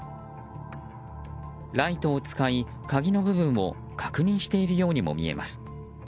ライトを使い、鍵の部分を確認しているようにも見えます。